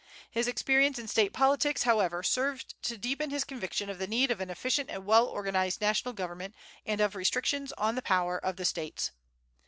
His experience in State politics, however, served to deepen his conviction of the need of an efficient and well organized national government and of restrictions on the power of the States.